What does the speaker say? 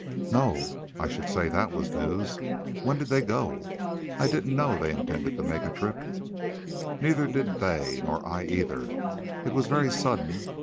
"No! I should say that WAS news. When did they go? I didn't know they intended to make a trip." "Neither did they; nor I, either. It was very sudden.